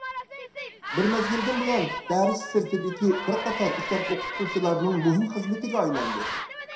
بىر مەزگىلدىن بۇيان، دەرس سىرتىدىكى بىر قاتار ئىشلار ئوقۇتقۇچىلارنىڭ مۇھىم خىزمىتىگە ئايلاندى.